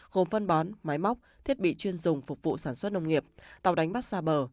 gồm phân bón máy móc thiết bị chuyên dùng phục vụ sản xuất nông nghiệp tàu đánh bắt xa bờ